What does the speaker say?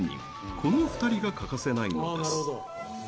この２人が欠かせないのです。